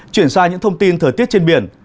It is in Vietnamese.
chuyển sang những thông tin thời tiết trên biển